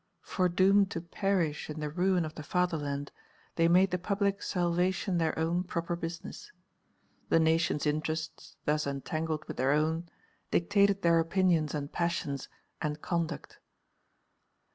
Foredoomed to perish in the ruin of the fatherland, they made the public salvation their own proper business. The Nation's interests, thus entangled with their own, dictated their opinions and passions and conduct.